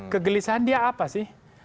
kegelisahan dia apa sih